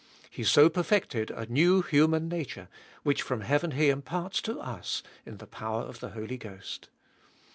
He so perfected a new human nature, which from heaven He imparts to us in the power of the Holy Ghost.